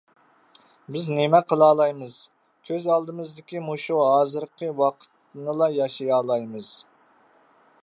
بىز نېمە قىلالايمىز؟ كۆز ئالدىمىزدىكى مۇشۇ ھازىرقى ۋاقىتنىلا ياشىيالايمىز.